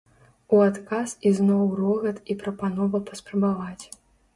У адказ ізноў рогат і прапанова паспрабаваць.